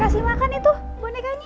kasih makan itu boneganya